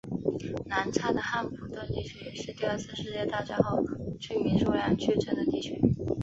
南叉的汉普顿地区也是第二次世界大战后居民数量剧增的地区。